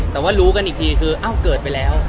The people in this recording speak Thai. แต่ว่ารู้กันอีกทีคือเอ้าเกิดไปแล้ว